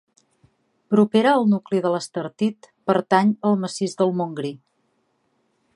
Propera al nucli de l'Estartit pertany al massís del Montgrí.